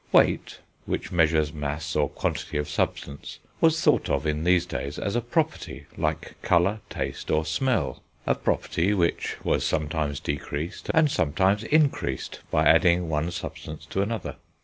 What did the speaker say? Weight, which measures mass or quantity of substance, was thought of, in these days, as a property like colour, taste, or smell, a property which was sometimes decreased, and sometimes increased, by adding one substance to another.